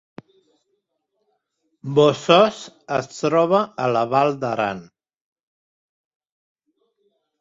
Bossòst es troba a la Val d’Aran